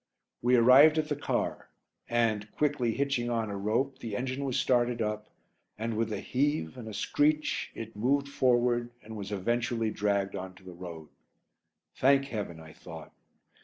We arrived at the car and, quickly hitching on a rope, the engine was started up and, with a heave and a screech, it moved forward and was eventually dragged on to the road. "Thank Heaven," I thought.